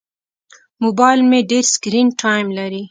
موبایل مې ډېر سکرین ټایم لري.